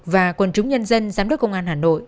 và quần chúng nhân dân giám đốc công an hà nội